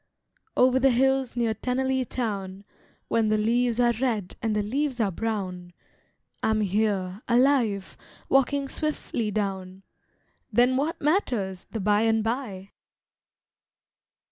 Over the hills near Tennaley Town, When the leaves are red, and the leaves are brown, I'm here, alive, walking swiftly down, Then what matters the by and bye!